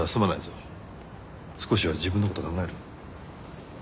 少しは自分の事考えろよ。